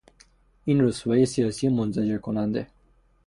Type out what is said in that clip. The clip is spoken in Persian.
این رسوایی سیاسی منزجر کننده